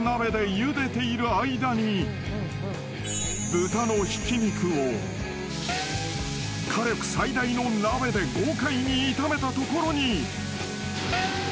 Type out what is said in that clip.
［豚のひき肉を火力最大の鍋で豪快に炒めたところに］